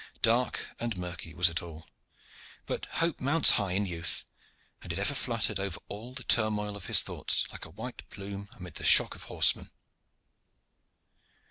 Dark and murky was it all, but hope mounts high in youth, and it ever fluttered over all the turmoil of his thoughts like a white plume amid the shock of horsemen.